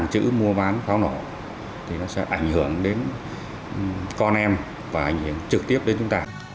chữ mua bán pháo nổ thì nó sẽ ảnh hưởng đến con em và ảnh hưởng trực tiếp đến chúng ta